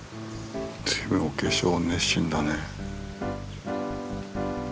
随分お化粧熱心だね。